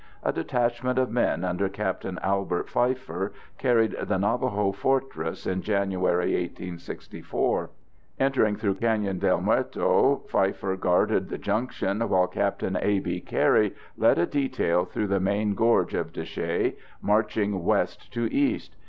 A detachment of men under Capt. Albert Pfeiffer carried the "Navaho Fortress" in January 1864. Entering through Canyon del Muerto, Pfeiffer guarded the junction while Capt. A. B. Carey led a detail through the main gorge of de Chelly, marching west to east.